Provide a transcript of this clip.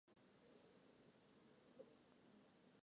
勇拂站日高本线的铁路车站。